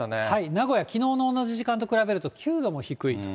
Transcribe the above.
名古屋、きのうの同じ時間と比べると９度も低いと。